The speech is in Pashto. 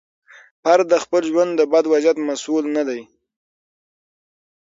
فرد د خپل ژوند د بد وضعیت مسوول نه دی.